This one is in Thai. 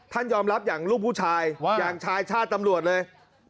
ท่านยอมรับอย่างลูกผู้ชายอย่างชายชาตรตำรวจเลยเหรียญ